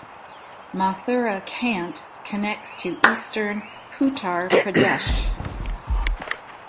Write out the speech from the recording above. "Mathura Cantt" connects to eastern Uttar Pradesh.